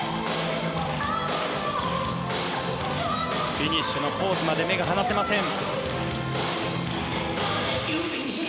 フィニッシュのポーズまで目が離せません。